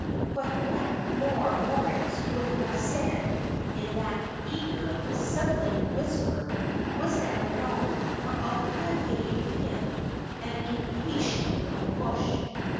But what more Moritz would have said in that eager, sibilant whisper, was never known, for Althea gave him an impatient little push.